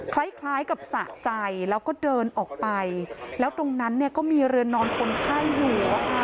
คล้ายคล้ายกับสะใจแล้วก็เดินออกไปแล้วตรงนั้นเนี่ยก็มีเรือนนอนคนไข้อยู่